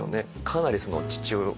かなり父親